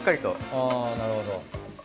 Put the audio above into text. あなるほど。